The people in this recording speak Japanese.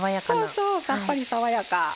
そうそうさっぱり爽やか。